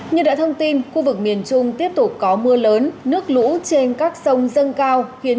như đã thông tin khu vực miền trung tiếp tục có mưa lớn nước lũ trên các sông dâng cao khiến